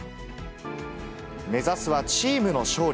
目指すはチームの勝利。